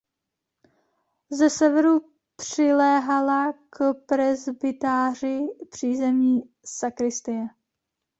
Ze severu přiléhala k presbytáři přízemní sakristie.